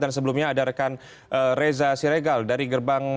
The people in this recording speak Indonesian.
dan sebelumnya ada rekan reza siregal dari gerbang